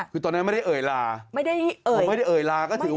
คือตอนนั้นไม่ได้เอ่ยลาไม่ได้เอ่ยไม่ได้เอ่ยลาก็ถือว่า